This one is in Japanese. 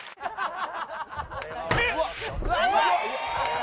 えっ！